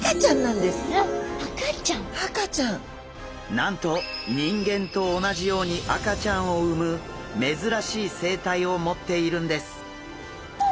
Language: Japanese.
なんと人間と同じように赤ちゃんを産む珍しい生態を持っているんです！